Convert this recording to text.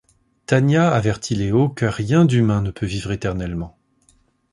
Tanya avertit Leo que rien d'humain ne peut vivre éternellement.